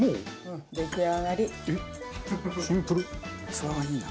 器がいいな。